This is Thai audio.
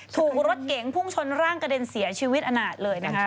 ถูกรถเก๋งพุ่งชนร่างกระเด็นเสียชีวิตอนาจเลยนะคะ